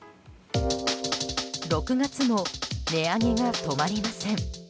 ６月も値上げが止まりません。